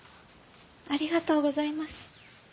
ありがとうございます。